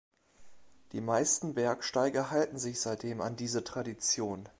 Die meisten Bergsteiger halten sich seitdem an diese Tradition.